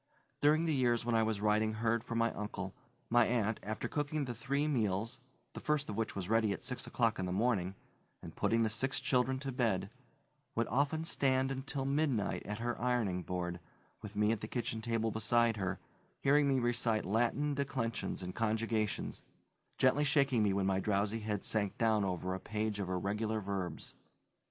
During the years when I was riding herd for my uncle, my aunt, after cooking the three meals the first of which was ready at six o'clock in the morning and putting the six children to bed, would often stand until midnight at her ironing board, with me at the kitchen table beside her, hearing me recite Latin declensions and conjugations, gently shaking me when my drowsy head sank down over a page of irregular verbs.